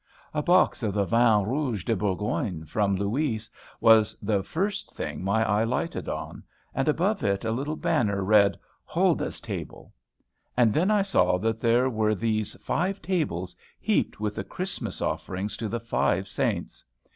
A box of the vin rouge de Bourgogne, from Louis, was the first thing my eye lighted on, and above it a little banner read, "Huldah's table." And then I saw that there were these five tables, heaped with the Christmas offerings to the five saints.